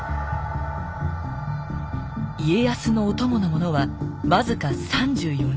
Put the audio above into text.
家康のお供の者は僅か３４人。